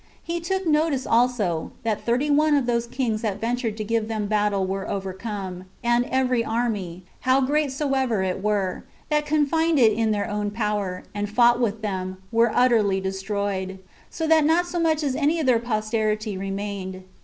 He took notice also, that thirty one of those kings that ventured to give them battle were overcome, and every army, how great soever it were, that confided in their own power, and fought with them, was utterly destroyed; so that not so much as any of their posterity remained.